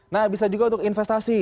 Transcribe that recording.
nah bisa juga untuk investasi